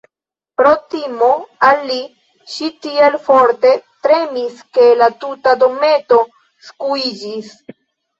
Pro timo al li, ŝi tiel forte tremis ke la tuta dometo skuiĝis.